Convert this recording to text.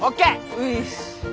ういっす。